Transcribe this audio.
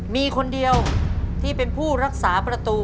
มีคนเดียวที่เป็นผู้รักษาประตู